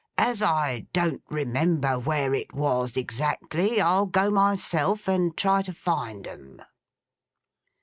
As I don't remember where it was exactly, I'll go myself and try to find 'em.